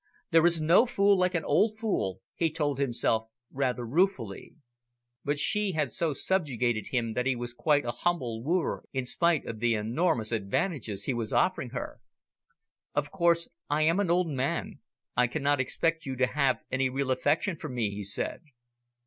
There is no fool like an old fool, he told himself rather ruefully. But she had so subjugated him that he was quite a humble wooer in spite of the enormous advantages he was offering her. "Of course I am an old man, I cannot expect you to have any real affection for me," he said.